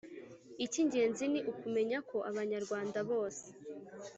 icy'ingenzi ni ukumenya ko abanyarwanda bose